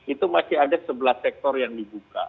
itu masih ada sebelas sektor yang dibuka